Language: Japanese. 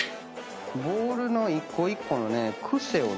ボールの一個一個のね癖をね。